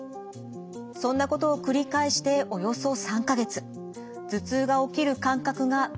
そんなことを繰り返しておよそ３か月。